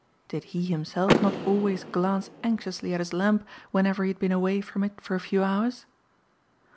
Did he himself not always glance anxiously at his lamp whenever he had been away from it for a few hours?